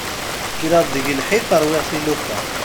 Kkreɣ-d deg lḥif ṛwiɣ tilufa.